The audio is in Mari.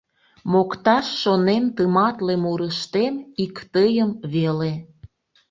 Мокташ шонем тыматле мурыштем Ик тыйым веле.